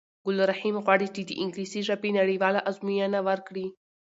ګل رحیم غواړی چې د انګلیسی ژبی نړېواله آزموینه ورکړی